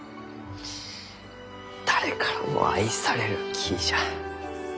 誰からも愛される木じゃ。